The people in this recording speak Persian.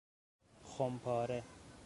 خمپاره